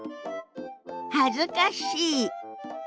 恥ずかしい。